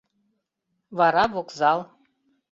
Вара вокзал.